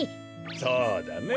そうだね。